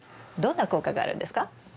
どんな効果があるんですか？